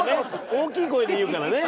大きい声で言うからね。